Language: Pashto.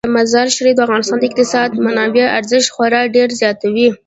مزارشریف د افغانستان د اقتصادي منابعو ارزښت خورا ډیر زیاتوي.